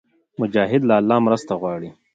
مجاهد له الله مرسته غواړي.